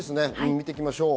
見ていきましょう。